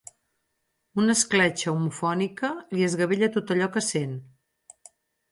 Una escletxa homofònica li esgavella tot allò que sent.